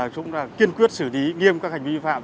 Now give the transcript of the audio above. chúng đã kiên quyết xử lý nghiêm các hành vi vi phạm